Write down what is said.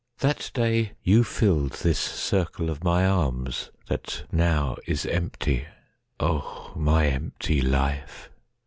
That day you filled this circle of my armsThat now is empty. (O my empty life!)